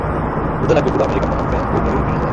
যুদ্ধ লাগবে, বুড়ো আমেরিকান বনাম ফ্রেঞ্চ বিদ্রোহী টিনেজার।